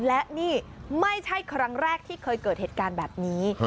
และนี่ไม่ใช่ครั้งแรกที่เคยเกิดเหตุการณ์แบบนี้